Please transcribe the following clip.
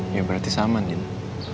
ya berarti saman gitu